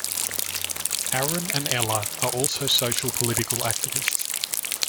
Arun and Ela are also social-political activists.